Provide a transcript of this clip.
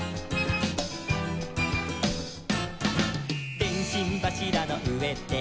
「でんしんばしらの上で」